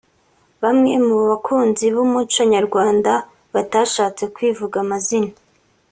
Bamwe mu bakunzi b’umuco nyarwanda batashatse kwivuga amazina